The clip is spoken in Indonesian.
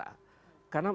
jadi kita harus mencari